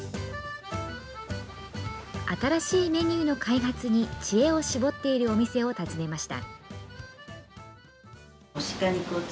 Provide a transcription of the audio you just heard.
新しいメニューの開発に知恵を絞っているお店を訪ねました。